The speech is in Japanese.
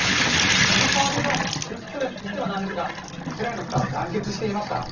その代わりといってはなんですがイスラエルの方は団結していました。